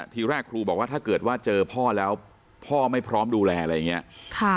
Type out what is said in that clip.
ทีแรกครูบอกว่าถ้าเกิดว่าเจอพ่อแล้วพ่อไม่พร้อมดูแลอะไรอย่างนี้